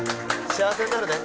幸せになるね。